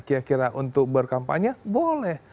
kira kira untuk berkampanye boleh